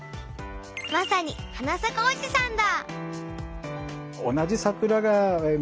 まさに花咲かおじさんだ。